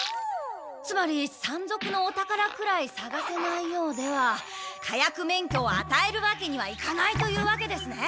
つまり山賊のお宝くらいさがせないようでは火薬免許をあたえるわけにはいかないというわけですね。